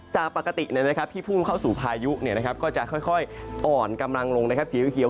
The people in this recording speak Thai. จากปกติที่พุ่งเข้าสู่พายุก็จะค่อยอ่อนกำลังลงสีเขียว